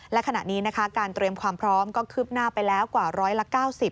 และขณะนี้นะคะการเตรียมความพร้อมก็คืบหน้าไปแล้วกว่าร้อยละ๙๐